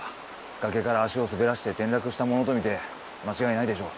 崖から足を滑らせて転落したものとみて間違いないでしょう。